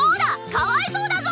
かわいそうだぞ！